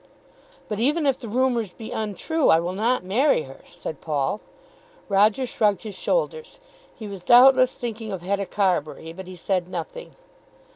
"But even if the rumours be untrue I will not marry her," said Paul. Roger shrugged his shoulders. He was doubtless thinking of Hetta Carbury, but he said nothing.